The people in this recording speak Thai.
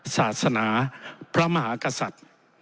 ศาสนาพระมหากษัตริย์